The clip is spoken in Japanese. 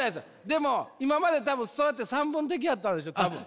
でも今まで多分そうやって散文的やったんでしょ多分。